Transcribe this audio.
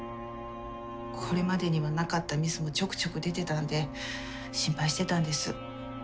これまでにはなかったミスもちょくちょく出てたんで心配してたんです。